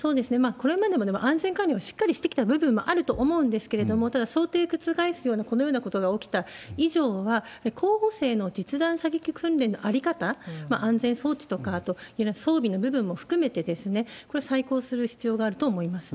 これまでも、でも安全管理はしっかりしてきた部分もあると思うんですけれども、ただ、想定を覆すような、このようなことが起きた以上は、候補生の実弾射撃訓練の在り方、安全装置とか、あと装備の部分も含めて、これは再考する必要があると思いますね。